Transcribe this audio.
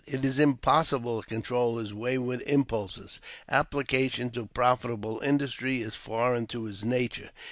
It is impossible to control his wayward impulses ; ap plication to profitable industry is foreign to his nature.